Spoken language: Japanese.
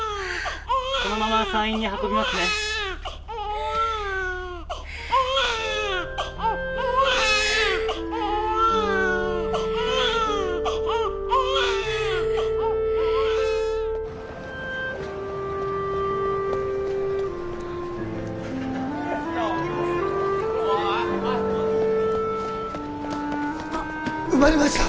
このまま産院に運びますね生まれました！